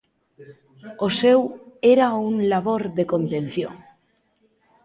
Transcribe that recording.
O seu era un labor de contención.